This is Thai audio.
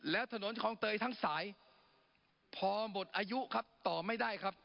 แล้วถนนคลองเตยทั้งสายพอหมดอายุครับต่อไม่ได้ครับ